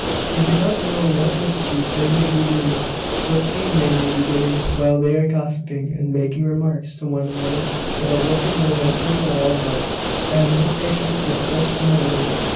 They do not know what mischief they may be doing what pain they may be giving while they are gossiping, and making remarks to one another about what they know nothing at all about. I have no patience with such meddling!"